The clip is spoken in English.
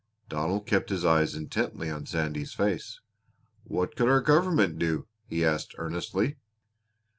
Donald kept his eyes intently on Sandy's face. "What could our government do?" he asked earnestly.